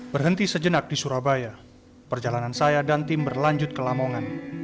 berhenti sejenak di surabaya perjalanan saya dan tim berlanjut ke lamongan